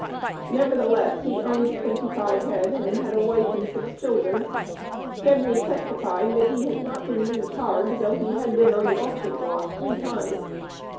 Nevertheless, he "owned twenty five head," and had a wife and six children. Stebney testified that he had not been used hard, though he had been on the "auction block three times."